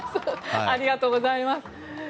ありがとうございます。